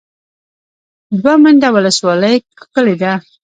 دوه منده ولسوالۍ ښکلې ده؟